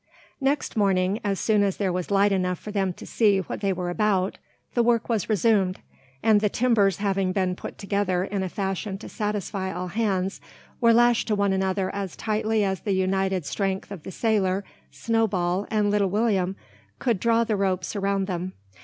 Next morning, as soon as there was light enough for them to see what they were about, the work was resumed; and the timbers having been put together in a fashion to satisfy all hands, were lashed to one another as tightly as the united strength of the sailor, Snowball, and Little William could draw the ropes around them.